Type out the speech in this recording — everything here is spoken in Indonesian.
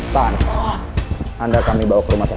tan anda kami bawa ke rumah sakit